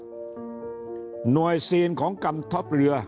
หน่วยซีนของกำทัพเรือ